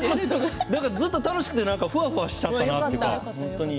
ずっと楽しくてふわふわしちゃったなって。